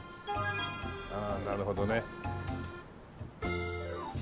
ああなるほどね。